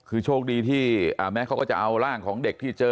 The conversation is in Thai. คือโชคดีที่แม้เขาก็จะเอาร่างของเด็กที่เจอ